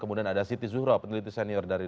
kemudian ada siti zuhro peneliti senior dari